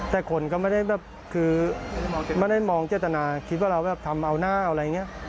แต่คนก็ไม่ได้แบบคือไม่ได้มองเจตนาคิดว่าเราแบบทำเอาหน้าเอาอะไรอย่างนี้